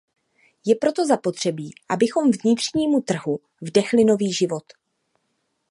Je proto zapotřebí, abychom vnitřnímu trhu vdechli nový život.